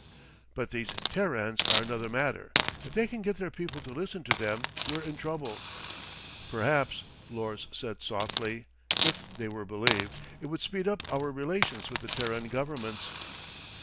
"But these Terrans are another matter. If they can get their people to listen to them, we're in trouble..." "Perhaps," Lors said softly, "if they were believed, it would speed up our relations with the Terran governments."